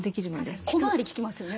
確かに小回り利きますよね。